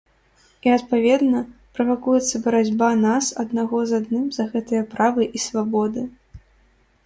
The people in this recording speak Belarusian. І, адпаведна, правакуецца барацьба нас аднаго з адным за гэтыя правы і свабоды.